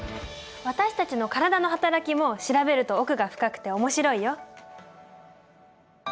私たちの体の働きも調べると奥が深くて面白いよ。